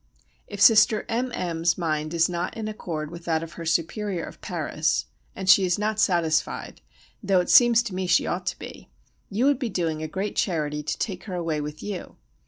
If Sister M. M.'s mind is not in accord with that of her superior of Paris, and she is not satisfied, though it seems to me she ought to be, you would be doing a great charity to take her away with you.